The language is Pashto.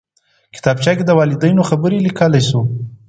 کتابچه کې د والدینو خبرې لیکلی شو